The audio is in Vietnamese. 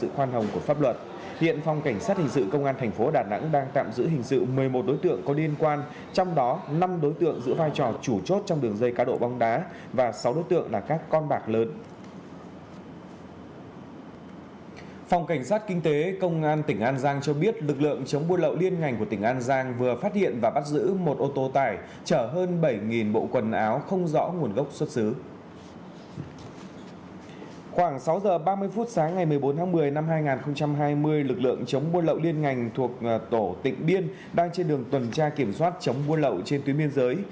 khoảng sáu h ba mươi phút sáng ngày một mươi bốn tháng một mươi năm hai nghìn hai mươi lực lượng chống buôn lậu liên ngành thuộc tổ tỉnh biên đang trên đường tuần tra kiểm soát chống buôn lậu trên tuyến biên giới